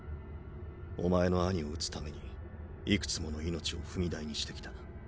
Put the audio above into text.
おまえの兄を討つためにいくつもの命を踏み台にしてきた。